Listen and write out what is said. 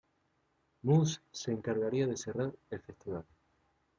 Muse se encargaría de cerrar el festival.